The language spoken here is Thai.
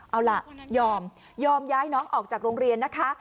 เอาล่ะยอมยอมย้ายน้องออกจากโรงเรียนนะคะ